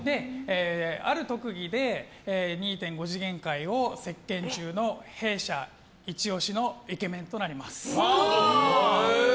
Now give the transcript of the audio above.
ある特技で２．５次元界を席巻中の弊社イチ押しのイケメンとなります。